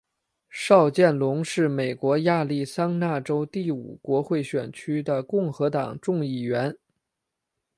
邵建隆是美国亚利桑那州第五国会选区的共和党众议员。